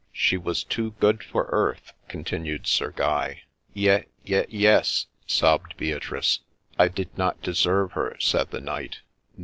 ' She was too good for earth !' continued Sir Guy. ' Ye ye yes !' sobbed Beatrice. ' I did not deserve her !' said the knight.